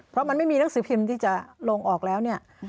เพราะมันไม่มีหนังสือพิมพ์ที่จะลงออกแล้วเนี่ย